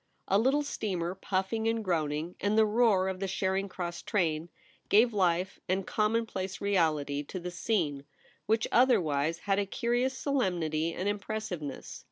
A little steamer puffing and groaning, and the roar of the Charing Cross train, gave life and commonplace reality to the scene, which other wise had a curious solemnity and impressive ness.